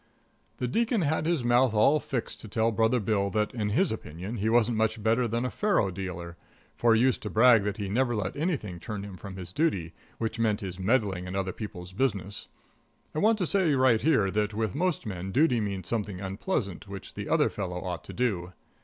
The Deacon had his mouth all fixed to tell Brother Bill that, in his opinion, he wasn't much better than a faro dealer, for he used to brag that he never let anything turn him from his duty, which meant his meddling in other people's business. I want to say right here that with most men duty means something unpleasant which the other fellow ought to do.